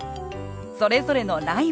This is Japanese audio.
それぞれの「ライブ」